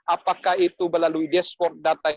apakah itu melalui dashboard data